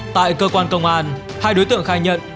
tại cơ quan công an hai đối tượng khai nhận